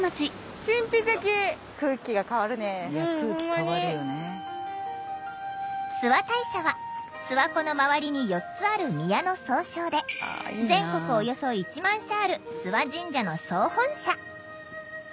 諏訪大社は諏訪湖の周りに４つある宮の総称で全国およそ１万社ある諏訪神社の総本社。